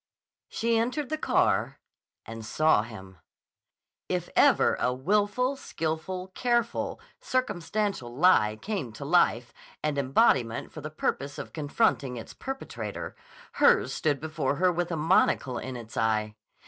She entered the car and saw him. If ever a willful, skillful, careful, circumstantial lie came to life and embodiment for the purpose of confronting its perpetrator, hers stood before her with a monocle in its eye.